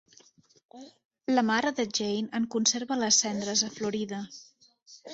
La mare de Gein en conserva les cendres a Florida.